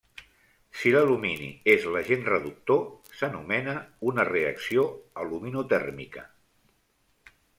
Si l'alumini és l'agent reductor, s'anomena una reacció aluminotèrmica.